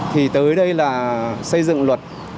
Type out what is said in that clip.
thì tới đây là xây dựng luật